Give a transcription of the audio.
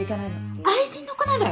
愛人の子なのよ！？